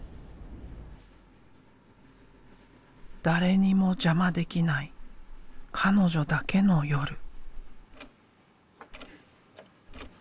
誰にも邪魔できない彼女だけの夜。